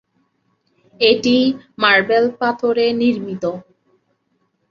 এটি মার্বেল পাথরে নির্মিত।